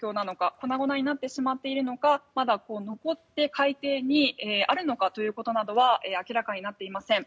粉々になってしまっているのかまだ残って海底にあるのかということなどは明らかになっていません。